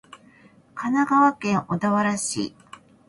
神奈川県小田原市